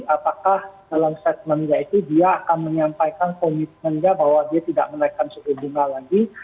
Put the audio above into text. apakah dalam statementnya itu dia akan menyampaikan komitmennya bahwa dia tidak menaikkan suku bunga lagi